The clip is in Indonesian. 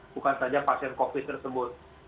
bukan saja pasien covid tersebut